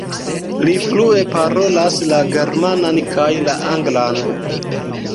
Li flue parolas la germanan kaj la anglan.